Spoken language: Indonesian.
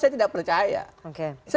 saya tidak percaya